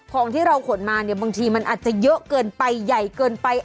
ของที่เราขนมาเนี่ยบางทีมันอาจจะเยอะเกินไปใหญ่เกินไป